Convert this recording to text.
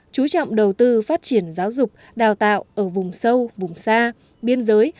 chú trọng đầu tư phát triển giáo dục đào tạo ở vùng sâu vùng xa biên giới